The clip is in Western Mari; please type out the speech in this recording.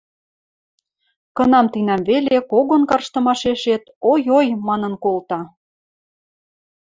Кынам-тинӓм веле когон карштымашешет ой-ой! манын колта.